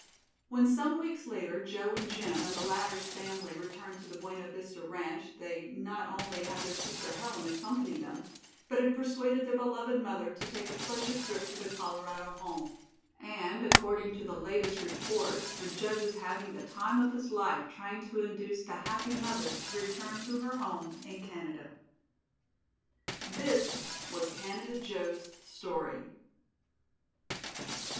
When some weeks later Joe and Jim and the latter's family returned to the Buena Vista ranch they not only had their sister Helen accompany them, but had persuaded their beloved mother to take a pleasure trip to their Colorado home, and according to the latest reports the judge is having the time of his life trying to induce the happy mother to return to her home in Canada. This was Canada Joe's story.